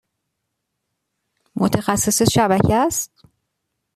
متخصص شبکه است؟